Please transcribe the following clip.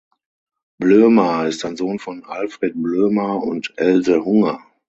Blömer ist ein Sohn von Alfred Blömer und Else Hunger.